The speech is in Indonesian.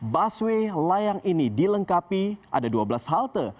busway layang ini dilengkapi ada dua belas halte